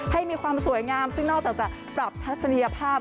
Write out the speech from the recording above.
ให้มีความสวยงามซึ่งนอกจากจะปรับทัศนียภาพ